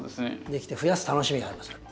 できてふやす楽しみがありますよね。